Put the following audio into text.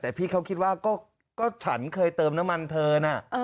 แต่พี่เขาคิดว่าก็ฉันเคยเติมน้ำมันเธอน่ะ